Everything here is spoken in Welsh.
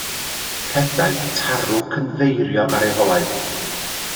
Rhedai tarw cynddeiriog ar eu holau.